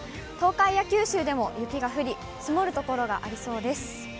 東海や九州でも雪が降り、積もる所がありそうです。